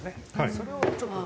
それをちょっと。